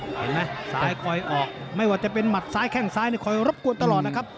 เห็นไหมซ้ายคอยออกไม่ว่าจะเป็นหมัดซ้ายแข้งซ้ายในคอยรบกวนตลอดนะครับ